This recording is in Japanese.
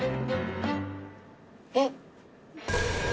えっ。